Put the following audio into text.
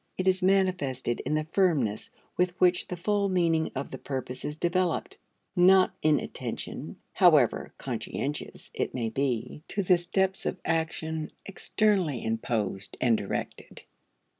It is manifested in the firmness with which the full meaning of the purpose is developed, not in attention, however "conscientious" it may be, to the steps of action externally imposed and directed.